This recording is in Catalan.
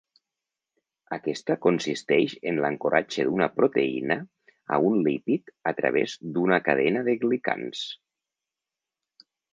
Aquesta consisteix en l'ancoratge d'una proteïna a un lípid a través d'una cadena de glicans.